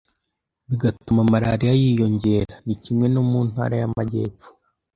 bigatuma malariya yiyongera. Ni kimwe no mu ntara y’Amajyepfo”.